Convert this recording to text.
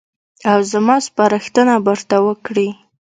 او زما سپارښتنه به ورته وکړي.